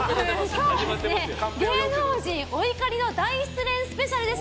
今日は芸能人お怒り大失恋スペシャルです。